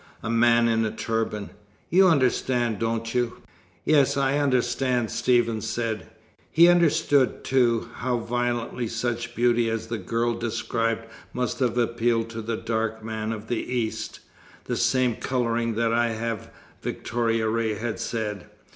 A man in a turban! You understand, don't you?" "Yes, I understand," Stephen said. He understood, too, how violently such beauty as the girl described must have appealed to the dark man of the East. "The same colouring that I have," Victoria Ray had said.